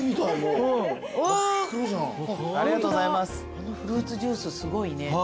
あのフルーツジュースすごいね。